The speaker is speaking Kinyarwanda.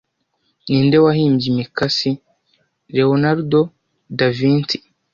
Ninde wahimbye Imikasi Leonardo Da Vinci